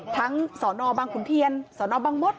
ทั้งสอนอบังคุณเทียนสอนอบังมด